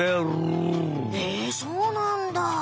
えそうなんだ。